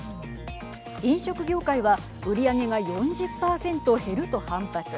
飲食業界は売り上げが４０％減ると反発。